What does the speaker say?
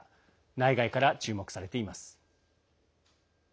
内外から注目されています。